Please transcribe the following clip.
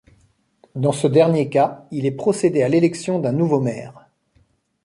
Dans ce dernier cas, il est procédé à l'élection d'un nouveau maire.